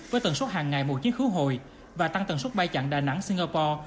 với tầng suất hàng ngày một chuyến khứa hồi và tăng tầng suất bay chặng đà nẵng singapore